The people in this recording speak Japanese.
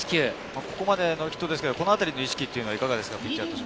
ここまでノーヒットですけど、ここまでの意識はどうですか？